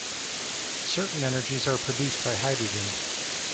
Certain energies are produced by hydrogen.